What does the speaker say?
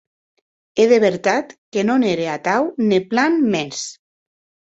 E de vertat que non ère atau, ne plan mens.